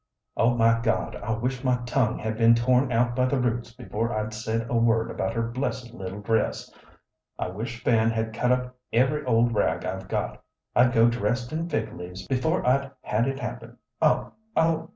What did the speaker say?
Oh my God, I wish my tongue had been torn out by the roots before I'd said a word about her blessed little dress; I wish Fan had cut up every old rag I've got; I'd go dressed in fig leaves before I'd had it happen. Oh! oh!